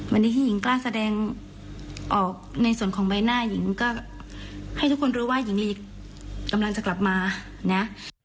วันนี้ที่หญิงกล้าแสดงออกในส่วนของใบหน้าหญิงก็ให้ทุกคนรู้ว่าหญิงลีกกำลังจะกลับมานะ